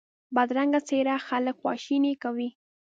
بدرنګه څېره خلک خواشیني کوي